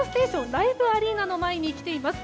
アリーナの前に来ています。